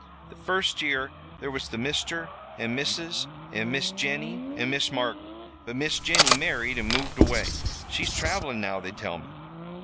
"The first year there was the mister and missus an' Miss Jennie an' Miss Margaret. But Miss Jennie married an' moved away she's travelin' now, they tell me."